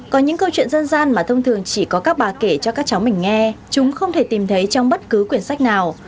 có những câu chuyện dân gian mà thông thường chỉ có các bà kể cho các cháu mình nghe chúng không thể tìm thấy trong bất cứ quyển sách nào